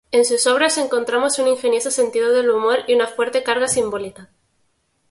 En sus obras encontramos un ingenioso sentido del humor y una fuerte carga simbólica.